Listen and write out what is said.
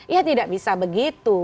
ya tidak bisa begitu